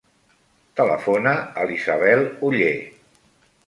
Telefona a l'Isabel Olle.